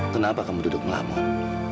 kenapa kamu duduk ngelamun